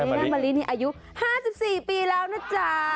แม่มะลินี่อายุ๕๔ปีแล้วนะจ๊ะ